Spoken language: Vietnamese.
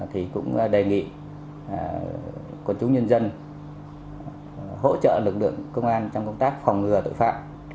thì cũng đề nghị quân chúng nhân dân hỗ trợ lực lượng công an trong công tác phòng ngừa tội phạm